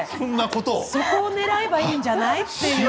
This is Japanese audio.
そこをねらえばいいんじゃない？って。